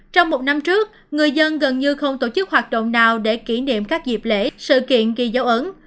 trong một năm trước người dân gần như không tổ chức hoạt động nào để kỷ niệm các dịp lễ sự kiện ghi dấu ấn